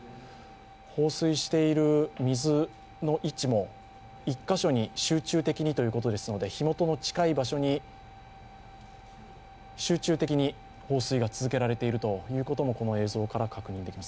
放水している水の位置も１か所に集中的にということですので火元の近い場所に集中的に放水が続けられているということもこの映像から確認できます。